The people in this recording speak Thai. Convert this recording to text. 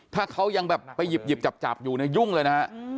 ถ้าเขายังแบบไปหยิบจับอยู่เนี่ยยุ่งเลยนะฮะ